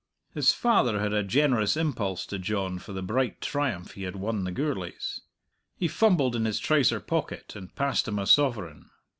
His father had a generous impulse to John for the bright triumph he had won the Gourlays. He fumbled in his trouser pocket, and passed him a sovereign.